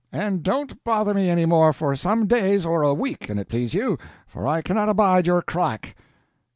And don't bother me any more for some days or a week an it please you, for I cannot abide your clack."